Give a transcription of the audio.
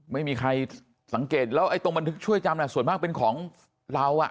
ไม่มีใครสังเกตแล้วไอ้ตรงบันทึกช่วยจำส่วนมากเป็นของเรา